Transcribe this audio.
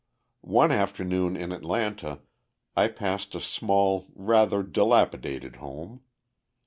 One afternoon in Atlanta I passed a small, rather dilapidated home.